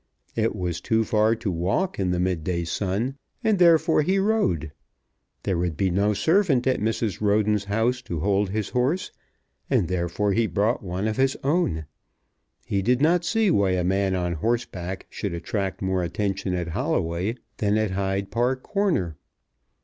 It was too far to walk in the midday sun, and therefore he rode. There would be no servant at Mrs. Roden's house to hold his horse, and therefore he brought one of his own. He did not see why a man on horseback should attract more attention at Holloway than at Hyde Park Corner.